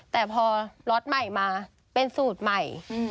แต่พอล็อตใหม่มาเป็นสูตรใหม่